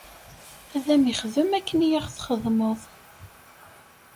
Ad am-ixdem akken i aɣ-txedmeḍ!